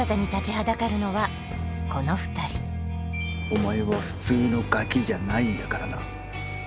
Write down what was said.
お前は普通のガキじゃないんだからな。